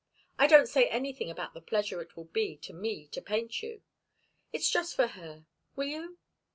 I don't say anything about the pleasure it will be to me to paint you it's just for her. Will you?"